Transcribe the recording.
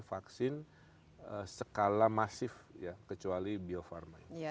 vaksin skala masif ya kecuali bio farma ini